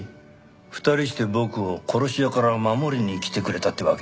２人して僕を殺し屋から守りに来てくれたってわけ？